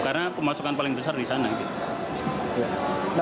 karena pemasukan paling besar di sana gitu